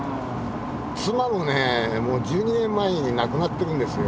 妻もね１２年前に亡くなってるんですよ。